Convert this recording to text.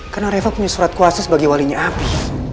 karena reva punya surat kuasa sebagai walinya api